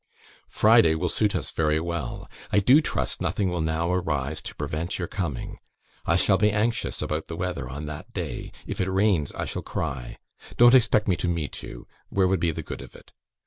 "Friday will suit us very well. I DO trust nothing will now arise to prevent your coming. I shall be anxious about the weather on that day; if it rains, I shall cry. Don't expect me to meet you; where would be the good of it?